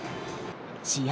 試合